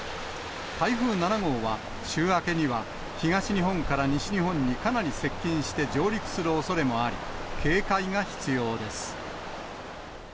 台風７号は、週明けには東日本から西日本にかなり接近して上陸するおそれもあり、警戒が必要です。